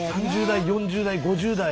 ３０代４０代５０代。